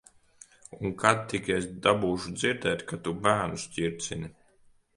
Un kad tik es dabūšu dzirdēt, ka tu bērnus ķircini.